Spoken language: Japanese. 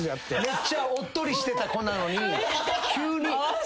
めっちゃおっとりしてた子なのに急に４００ｍ出て。